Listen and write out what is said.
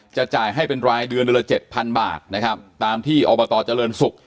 จะจ่ายให้เป็นรายเดือนละ๗๐๐๐บาทนะครับตามที่อบตเจริญศุกร์